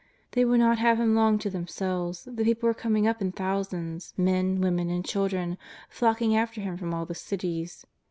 They will not have Him long to themselves, the people are coming up in thousands — men, women and children '' flocking after Him from all the cities."